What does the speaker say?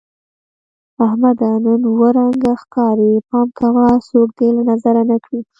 احمده! نن اووه رنگه ښکارې. پام کوه څوک دې له نظره نه کړي.